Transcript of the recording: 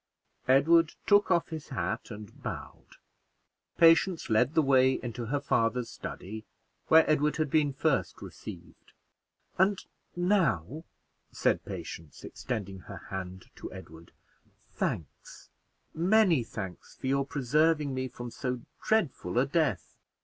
Edward took off his hat and bowed. Patience led the way into her father's study, where Edward had been first received. "And now," said Patience, extending her hand to Edward, "thanks, many thanks, for your preserving me from so dreadful a death.